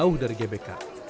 jauh dari gbk